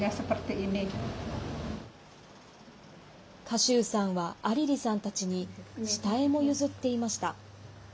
賀集さんはアリリさんたちに下絵も譲っていました。